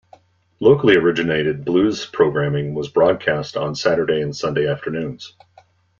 Locally originated blues programming was broadcast on Saturday and Sunday afternoons.